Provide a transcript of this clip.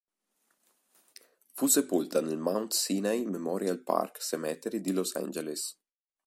Fu sepolta nel Mount Sinai Memorial Park Cemetery di Los Angeles.